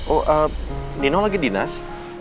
oh eh nino lagi dinas